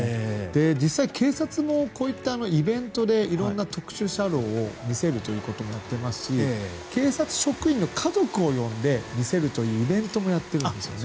実際、警察もこういったイベントで色んな特殊車両を見せるということもやってますし警察職員の家族を呼んで見せるというイベントもやっているんですね。